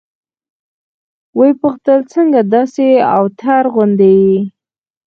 ويې پوښتل څنگه داسې اوتر غوندې يې.